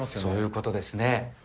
そういうことですね。